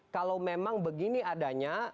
kalau memang begini adanya